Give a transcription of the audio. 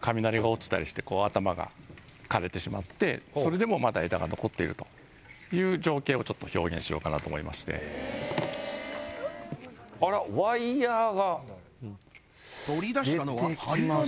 雷が落ちたりして頭が枯れてしまってそれでもまだ枝が残っているという情景をちょっと表現しようかなと思いましてあらワイヤーが取り出したのは針金？